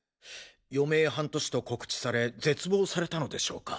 余命半年と告知され絶望されたのでしょうか？